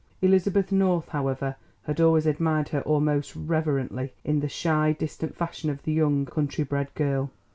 Elizabeth North, however, had always admired her almost reverently, in the shy, distant fashion of the young, country bred girl.